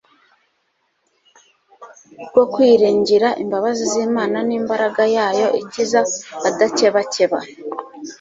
rwo kwiringira imbabazi zImana nimbaraga yayo ikiza adakebakeba